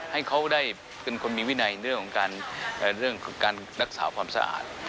ให้เขาได้เป็นคนมีวินัยเรื่องของการรักษาความสะอาด